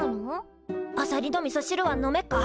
あさりのみそしるは飲めっか？